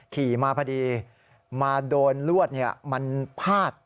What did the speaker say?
ขี่มาพอดีมาโดนลวดมันพาด